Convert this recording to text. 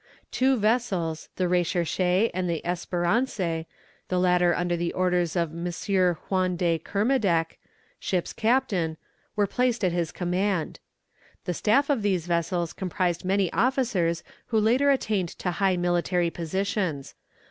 Two vessels, the Recherche, and the Espérance, the latter under the orders of M. Huon de Kermadec, ship's captain, were placed at his command. The staff of these vessels comprised many officers who later attained to high military positions.